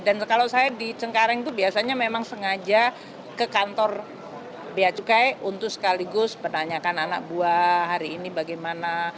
dan kalau saya di cengkareng itu biasanya memang sengaja ke kantor beacukai untuk sekaligus menanyakan anak buah hari ini bagaimana